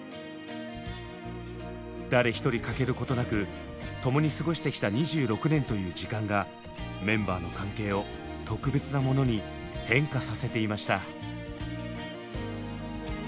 誰一人欠けることなく共に過ごしてきた２６年という時間がメンバーの関係を特別なものに変化させていました。